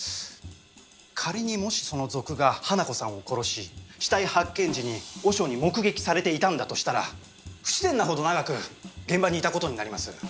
仮にもしその賊が花子さんを殺し死体発見時に和尚に目撃されていたんだとしたら不自然なほど長く現場にいた事になります。